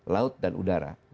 laut dan udara